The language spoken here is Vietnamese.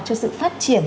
cho sự phát triển